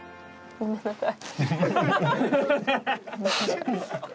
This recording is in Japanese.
ごめんなさい。